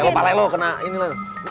leluh pak leluh kena ini leluh